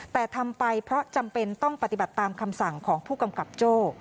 แต่ทำไปเพราะจำเป็นต้องปฏิบัติตามคำสั่งของผู้กำกับโจ้